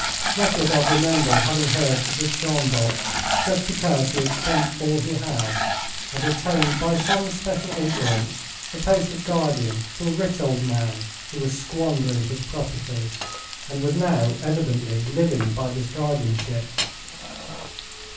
Nekhludoff remembered having heard that this Schonbock, just because, he had spent all he had, had attained by some special influence the post of guardian to a rich old man who was squandering his property and was now evidently living by this guardianship.